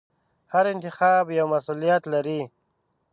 هر انتخاب یو مسوولیت لري.